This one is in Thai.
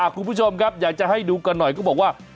คุณผู้ชมครับอยากจะให้ดูกันหน่อยก็บอกว่า